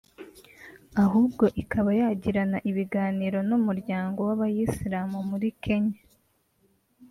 ahubwo ikaba yagirana ibiganiro n’umuryango w’Abayisilamu muri Kenya